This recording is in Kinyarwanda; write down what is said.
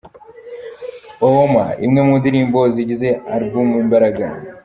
Owooma, imwe mu ndirimbo zigize album ’Imbaraga’.